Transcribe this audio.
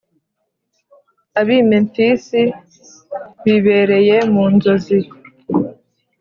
ab’i Memfisi bibereye mu nzozi,